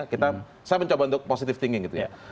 saya mencoba untuk positive thinking gitu ya